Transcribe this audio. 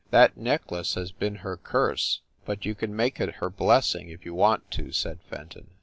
"That necklace has been her curse, but you can make it her blessing if you want to," said Fenton.